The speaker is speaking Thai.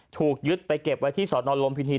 ถูกยึดไปเก็บไว้ที่สอนอนลุมพินี